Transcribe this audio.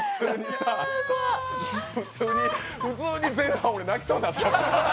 普通に前半俺泣きそうになった。